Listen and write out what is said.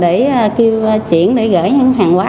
để kêu chuyển để gửi những hàng quá